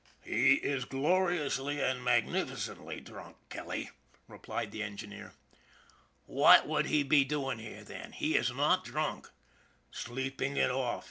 " He is gloriously and magnificently drunk, Kelly," replied the engineer. " What would he be doing here, then ? He is not drunk." " Sleeping it off.